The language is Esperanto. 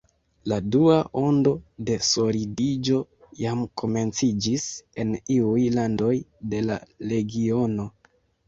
La dua ondo de solidiĝo jam komenciĝis en iuj landoj de la regiono.